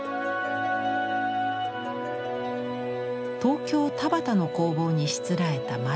東京・田端の工房にしつらえた「丸窯」。